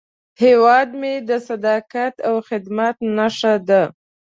هیواد مې د صداقت او خدمت نښه ده